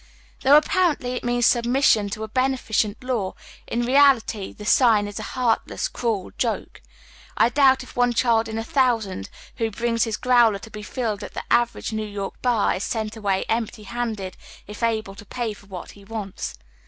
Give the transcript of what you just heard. Though apparently it means submission to a beneficent law, in reality the sign is a heartless, cruel joke. I doubt if one child in a thou sand, who brings his gj'owler to be filled at the average oy Google „Google THE REIGN OF BUM. 215 New York bar, is sent away empty handed, if able to pay for wliat he wants.